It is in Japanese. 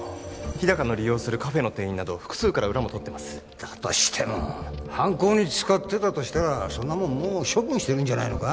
日高の利用するカフェの店員など複数から裏も取ってますだとしても犯行に使ってたとしたらそんなもんもう処分してるんじゃないのか？